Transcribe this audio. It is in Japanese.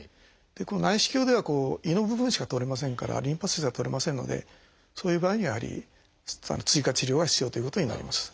この内視鏡では胃の部分しか取れませんからリンパ節は取れませんのでそういう場合にはやはり追加治療は必要ということになります。